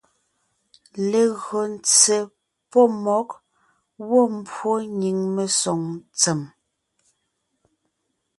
Legÿo ntse pɔ́ mmɔ̌g gwɔ̂ mbwó nyìŋ mesoŋ ntsèm,